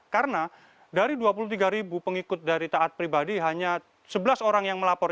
karena dari dua puluh tiga ribu pengikut dari taat pribadi hanya sebelas orang yang melapor